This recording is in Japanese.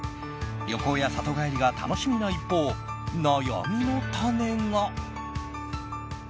旅行や里帰りが楽しみな一方悩みの種が。